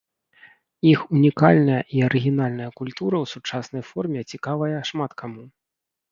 Іх унікальная і арыгінальная культура ў сучаснай форме цікавая шмат каму.